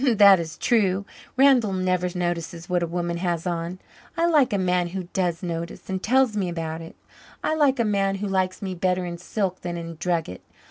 "That is true. Randall never notices what a woman has on. I like a man who does notice and tells me about it. I like a man who likes me better in silk than in drugget.